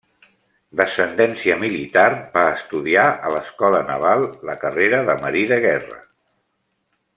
D'ascendència militar, va estudiar a l'Escola Naval la carrera de marí de Guerra.